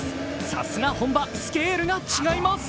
さすが本場、スケールが違います！